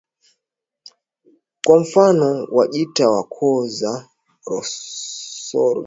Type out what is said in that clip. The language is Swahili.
Kwa mfano Wajita wa koo za Rusori